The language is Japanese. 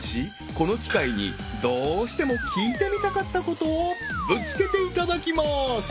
この機会にどうしても聞いてみたかったことをぶつけていただきます